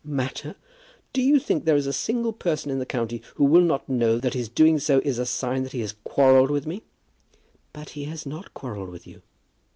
"Matter! Do you think there is a single person in the county who will not know that his doing so is a sign that he has quarrelled with me?" "But he has not quarrelled with you."